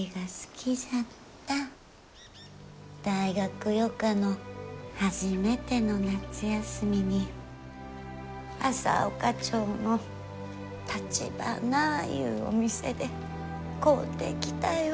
大学予科の初めての夏休みに朝丘町のたちばないうお店で買うてきたよ